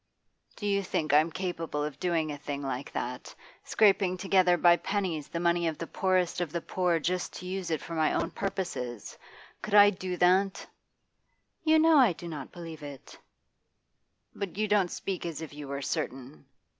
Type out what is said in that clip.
'Do you think I'm capable of doing a thing like that scraping together by pennies the money of the poorest of the poor just to use it for my own purposes could I do that?' 'You know I do not believe it.' 'But you don't speak as if you were certain.